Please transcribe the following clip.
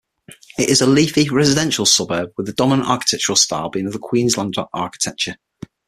It is a leafy, residential suburb with the dominant architectural style being "Queenslander" architecture.